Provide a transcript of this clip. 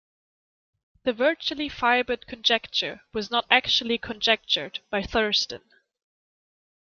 The virtually fibered conjecture was not actually conjectured by Thurston.